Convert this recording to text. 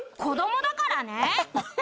子どもだからね！